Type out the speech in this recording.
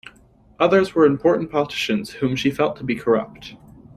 Others were important politicians whom she felt to be corrupt.